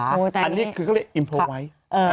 อันนี้ก็เรียกว่าอิมโพไวท์